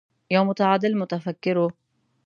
يو متعادل متفکر و.